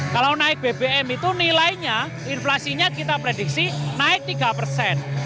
kalau naik bbm itu nilainya inflasinya kita prediksi naik tiga persen